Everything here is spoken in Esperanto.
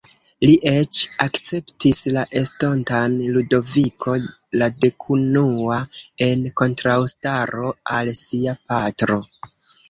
Li eĉ akceptis la estontan Ludoviko la Dekunua en kontraŭstaro al sia patro.